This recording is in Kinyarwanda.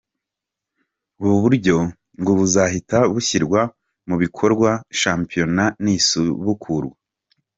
Ubu buryo ngo buzahita bushyirwa mu bikorwa shampiyona nisubukurwa.